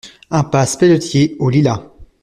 Impasse Pelletier aux Lilas